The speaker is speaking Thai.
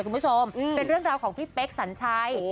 เป็นเรื่องราวของพี่เป๊กสัญชาย